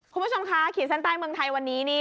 คุณผู้ชมคะขีดเส้นใต้เมืองไทยวันนี้นี่